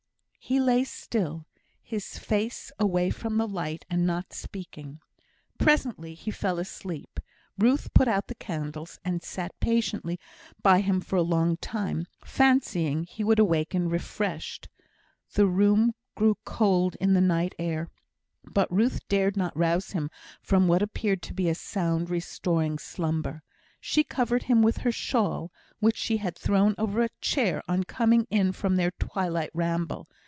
He lay still, his face away from the light, and not speaking. Presently he fell asleep. Ruth put out the candles, and sat patiently by him for a long time, fancying he would awaken refreshed. The room grew cool in the night air; but Ruth dared not rouse him from what appeared to be sound, restoring slumber. She covered him with her shawl, which she had thrown over a chair on coming in from their twilight ramble.